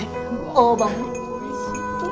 おいしそう。